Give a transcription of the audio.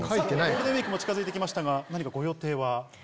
ゴールデンウイークも近づいて来ましたが何かご予定は？